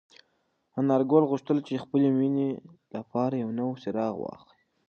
انارګل غوښتل چې د خپلې مېنې لپاره یو نوی څراغ واخلي.